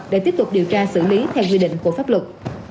để tiếp tục điều tra xử lý theo quy định của pháp luật